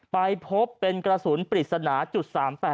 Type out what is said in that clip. ไปพบเป็นกระสุนปริศนาจุด๓๘